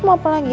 mau apa lagi